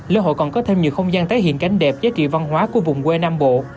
lễ hội còn có thêm nhiều không gian tái hiện cảnh đẹp giá trị văn hóa của vùng quê nam bộ